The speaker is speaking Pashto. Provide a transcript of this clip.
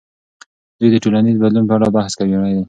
دوی د ټولنیز بدلون په اړه بحث کړی دی.